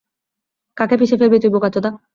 কাকে পিষে ফেলবি তুই, বোকাচোদা?